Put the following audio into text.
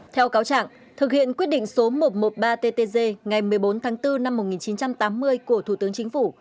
theo cáo trạng thực hiện quyết định số một trăm một mươi ba ttg ngày một mươi bốn tháng bốn năm một nghìn chín trăm tám mươi của thủ tướng chính phủ